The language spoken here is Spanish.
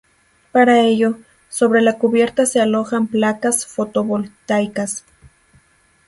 Para ello, sobre la cubierta se alojan placas fotovoltaicas.